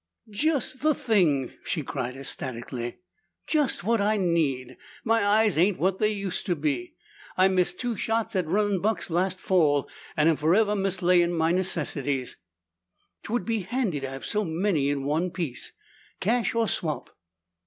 "Just the thing!" she cried ecstatically. "Just what I need! My eyes ain't what they used to be. I missed two shots at runnin' bucks last fall and I'm forever mislayin' my necessaries. 'Twould be handy to have so many in one piece. Cash or swap?"